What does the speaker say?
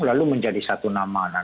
lalu menjadi satu nama